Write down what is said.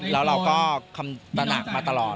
แล้วเราก็คำตระหนักมาตลอด